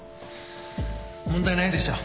問題ないでしょう。